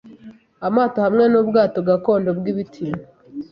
amato hamwe nubwato gakondo bwibiti